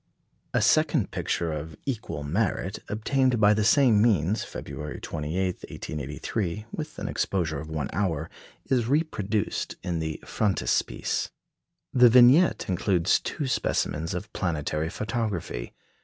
A second picture of equal merit, obtained by the same means, February 28, 1883, with an exposure of one hour, is reproduced in the frontispiece. The vignette includes two specimens of planetary photography.